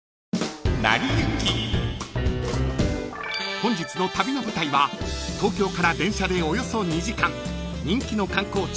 ［本日の旅の舞台は東京から電車でおよそ２時間人気の観光地